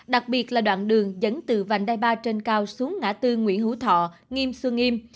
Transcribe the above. đặc biệt là đoạn đường dẫn từ vành đai ba trên cao xuống ngã tư nguyễn hữu thọ nghiêm xuân nghiêm